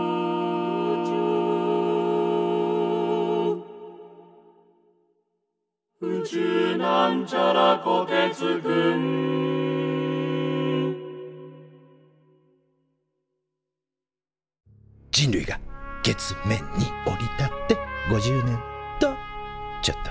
「宇宙」人類が月面に降り立って５０年とちょっと。